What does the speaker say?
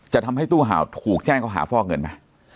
ทำให้ตู้เห่าถูกแจ้งเขาหาฟอกเงินไหม